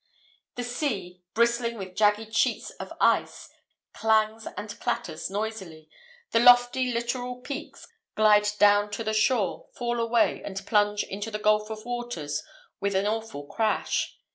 "The sea, bristling with jagged sheets of ice, clangs and clatters noisily; the lofty littoral peaks glide down to the shore, fall away, and plunge into the gulf of waters with an awful crash.